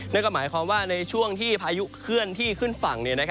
นั่นก็หมายความว่าในช่วงที่พายุเคลื่อนที่ขึ้นฝั่ง